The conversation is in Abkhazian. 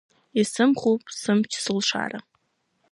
Исымхуп сымч-сылшара.